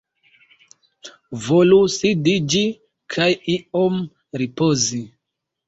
Volu sidiĝi kaj iom ripozi.